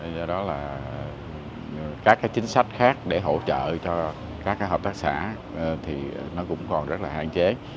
do đó là các chính sách khác để hỗ trợ cho các hợp tác xã thì nó cũng còn rất là hạn chế